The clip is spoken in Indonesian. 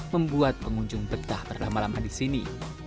membuat pengunjung betah berlama lama di sini